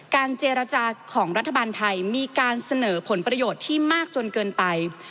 เจรจาของรัฐบาลไทยมีการเสนอผลประโยชน์ที่มากจนเกินไป